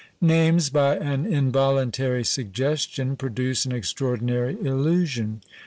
Names, by an involuntary suggestion, produce an extraordinary illusion.